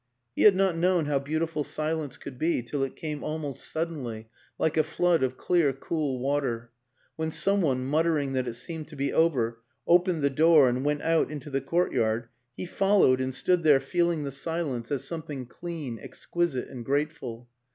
... He had not known how beautiful silence could be till it came almost sud denly, like a flood of clear, cool water; when some one, muttering that it seemed to be over, opened the door and went out into the courtyard, he fol lowed and stood there feeling the silence as some thing clean, exquisite and grateful.